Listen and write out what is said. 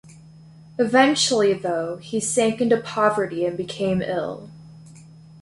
Eventually, though, he sank into poverty and became ill.